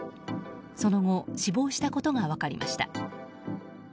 その後、死亡したことが分かりました。